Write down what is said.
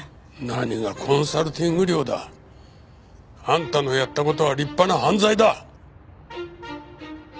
何がコンサルティング料だ。あんたのやった事は立派な犯罪だ。